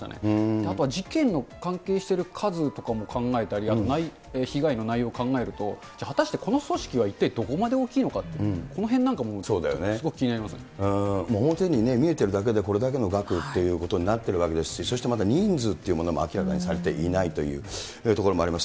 あとは事件の関係してる数とかも考えたり、被害の内容を考えると、果たしてこの組織は一体どこまで大きいのかと、このへんなんかも表に見えてるだけで、これだけの額っていうことになってるわけですし、そしてまた人数というものも明らかにされていないというところもあります。